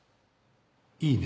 いいね。